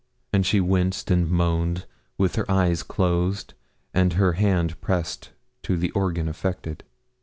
And she winced and moaned, with her eyes closed and her hand pressed to the organ affected.